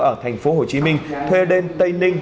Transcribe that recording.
ở thành phố hồ chí minh thuê đến tây ninh